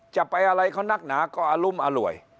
จะไปอะไรเขานักหนาก็อรุมอร่วย